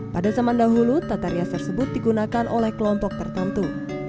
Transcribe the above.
pada zaman dahulu tata rias tersebut digunakan oleh kelompok tertentu